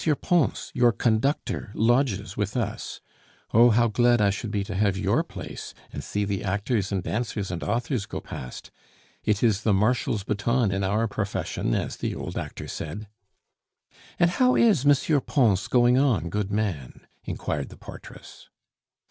Pons, your conductor, lodges with us. Oh, how glad I should be to have your place, and see the actors and dancers and authors go past. It is the marshal's baton in our profession, as the old actor said." "And how is M. Pons going on, good man?" inquired the portress.